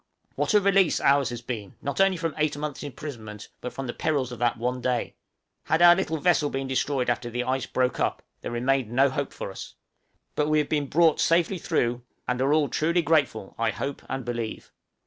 What a release ours has been, not only from eight months' imprisonment, but from the perils of that one day! Had our little vessel been destroyed after the ice broke up, there remained no hope for us. But we have been brought safely through, and are all truly grateful, I hope, and believe.